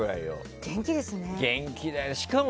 元気ですね。